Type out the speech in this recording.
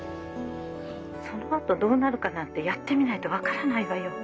☎そのあとどうなるかなんてやってみないと分からないわよ。